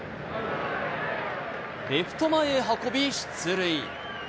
レフト前へ運び出塁。